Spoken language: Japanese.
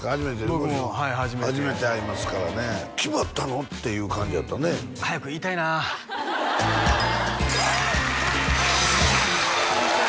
僕もはい初めて初めて会いますからね決まったの！？って感じやったね早く言いたいなこんにちは